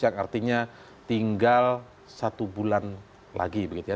yang artinya tinggal satu bulan lagi begitu ya